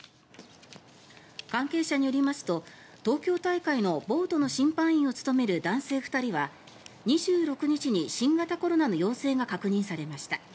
関係者によりますと東京大会のボートの審判員を務める男性２人は２６日に新型コロナの陽性が確認されました。